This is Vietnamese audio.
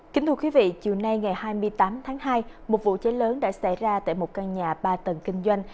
kính thưa quý vị chiều nay ngày hai mươi tám tháng hai một vụ cháy lớn đã xảy ra tại một căn nhà ba tầng kinh doanh